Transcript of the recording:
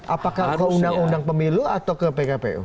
apakah ke undang undang pemilu atau ke pkpu